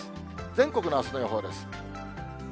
全国のあすの予報です。